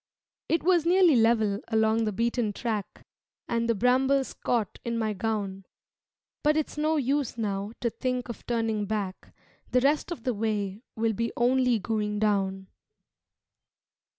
It was nearly level along the beaten track And the brambles caught in my gown But it's no use now to think of turning back, The rest of the way will be only going down.